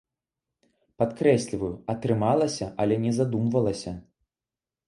Падкрэсліваю, атрымалася, але не задумвалася!